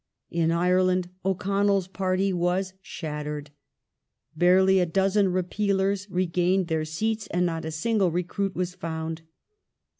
In Ireland O'Connell's party was shattered. 1 barely a dozen Repealers regained their seats, and not a single recruit was found.